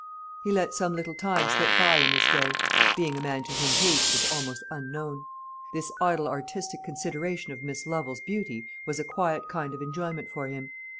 He let some little time slip by in this way, being a man to whom haste was almost unknown. This idle artistic consideration of Miss Lovel's beauty was a quiet kind of enjoyment for him.